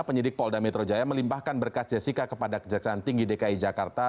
penyidik polda metro jaya melimpahkan berkas jessica kepada kejaksaan tinggi dki jakarta